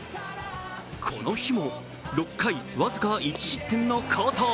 この日も６回、僅か１失点の好投。